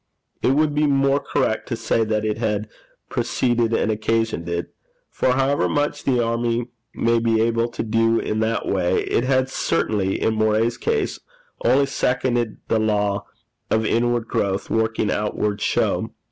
It would be more correct to say that it had preceded and occasioned it; for however much the army may be able to do in that way, it had certainly, in Moray's case, only seconded the law of inward growth working outward show.